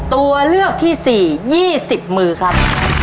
ตัวเลือกที่สี่ยี่สิบมือครับ